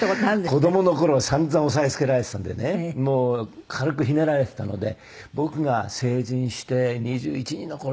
子供の頃さんざん押さえつけられていたんでね軽くひねられていたので僕が成人して２１２２の頃だったでしょうかね。